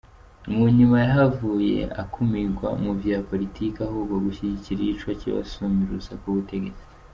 Munyuma yahavuye akumigwa mu vya politike, ahogwa gushigikira iyicwa c'abasumira urusaku ubutegetsi.